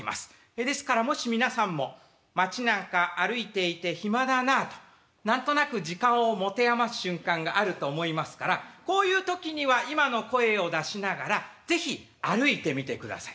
ですからもし皆さんも街なんか歩いていて暇だなあと何となく時間を持て余す瞬間があると思いますからこういう時には今の声を出しながら是非歩いてみてください。